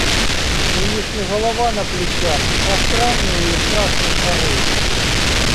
У них не голова на плечах, а странные и страшные шары.